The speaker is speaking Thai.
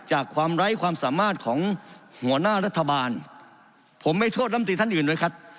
ความไร้ความสามารถของหัวหน้ารัฐบาลผมไม่โทษลำตีท่านอื่นด้วยครับ